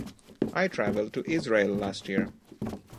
I traveled to Israel last year.